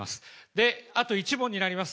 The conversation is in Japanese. で、あと１問になります。